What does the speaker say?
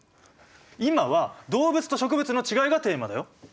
今は動物と植物のちがいがテーマだよ。